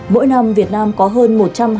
mỗi năm việt nam có hơn một trăm hai mươi